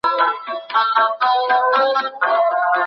مهرباني زړونه ګټي.